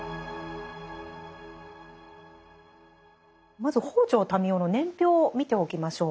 まず北條民雄の年表を見ておきましょうか。